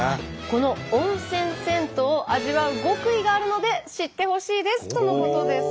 「この温泉銭湯を味わう極意があるので知ってほしいです」とのことです。